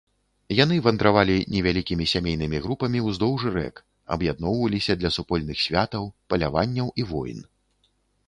Яны вандравалі невялікімі сямейнымі групамі ўздоўж рэк, аб'ядноўваліся для супольных святаў, паляванняў і войн.